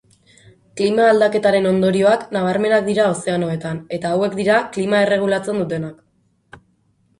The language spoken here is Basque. Klima aldaketaren ondorioak nabarmenak dira ozeanoetan eta hauek dira klima erregulatzen dutenak.